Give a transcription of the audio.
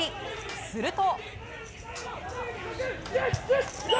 すると。